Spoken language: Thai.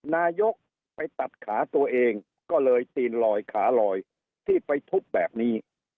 นายกไปตัดขาตัวเองก็เลยตีนลอยขาลอยที่ไปทุบแบบนี้